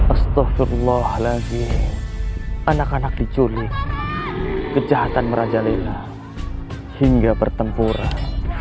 astaghfirullahaladzih anak anak diculik kejahatan merajalela hingga bertempuran